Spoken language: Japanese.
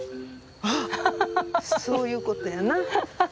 ああそういうことやな。